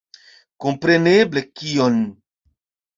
Kompreneble, kion!